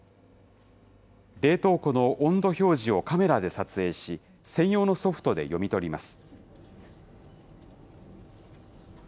冷凍庫の温度表示をカメラで撮影し、専用のソフトで読み取ります。